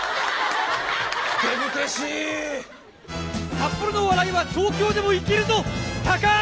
札幌の笑いは東京でも生きるぞ！